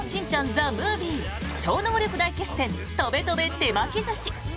ＴＨＥＭＯＶＩＥ超能力大決戦とべとべ手巻き寿司」。